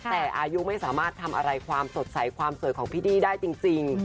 แต่อายุไม่สามารถทำอะไรความสดใสความสวยของพี่ดี้ได้จริง